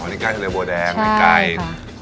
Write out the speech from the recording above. อ๋อนี่ใกล้ทะเลโบแดงใช่ค่ะ